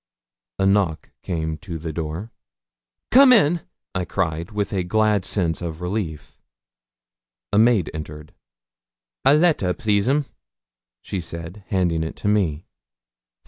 A knock came to the door. 'Come in,' I cried, with a glad sense of relief. A maid entered. 'A letter, please, 'm,' she said, handing it to me.